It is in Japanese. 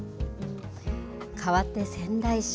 変わって仙台市。